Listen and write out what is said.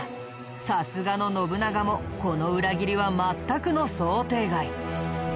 さすがの信長もこの裏切りは全くの想定外。